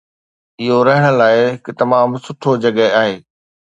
اهو رهڻ لاء هڪ تمام سٺو جڳهه آهي